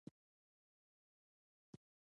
وخت زموږ په ژوند کې له لويو نعمتونو څخه دى.